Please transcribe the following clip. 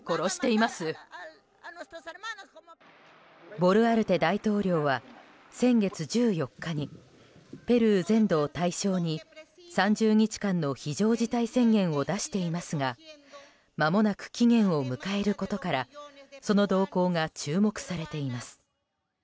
ボルアルテ大統領は先月１４日にペルー全土を対象に３０日間の非常事態宣言を出していますがまもなく期限を迎えることからその動向が注目されています。